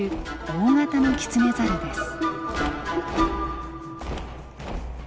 ネズミキツネザルです。